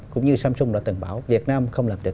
cũng như samsung đã từng bảo việt nam không làm được